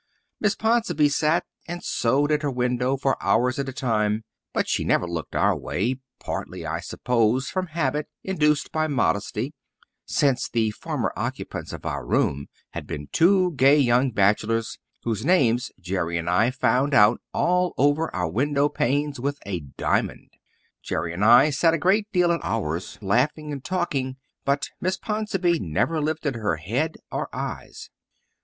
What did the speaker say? Miss Ponsonby sat and sewed at her window for hours at a time, but she never looked our way, partly, I suppose, from habit induced by modesty, since the former occupants of our room had been two gay young bachelors, whose names Jerry and I found out all over our window panes with a diamond. Jerry and I sat a great deal at ours, laughing and talking, but Miss Ponsonby never lifted her head or eyes.